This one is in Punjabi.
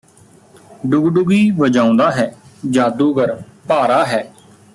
ਡੁਗਡੁਗੀ ਵਜਾਉਂਦਾ ਹੈ ਜਾਦੂਗਰ ਭਾਰਾ ਹੈ